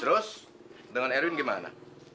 terus dengan erwin gimana